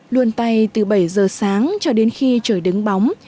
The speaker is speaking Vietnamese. luôn tay từ bảy giờ sáng cho đến khi trời đứng bóng